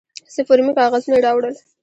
څه فورمې کاغذونه یې راوړل.